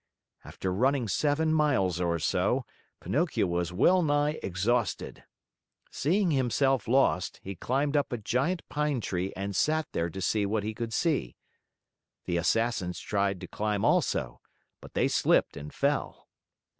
After running seven miles or so, Pinocchio was well nigh exhausted. Seeing himself lost, he climbed up a giant pine tree and sat there to see what he could see. The Assassins tried to climb also, but they slipped and fell.